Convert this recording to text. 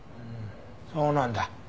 そうなんだ。